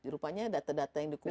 rupanya data data yang dikumpulkan